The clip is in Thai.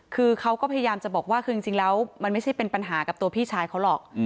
คือเขาก็พยายามจะบอกว่าคือจริงแล้วมันไม่ใช่เป็นปัญหากับตัวพี่ชายเขาหรอก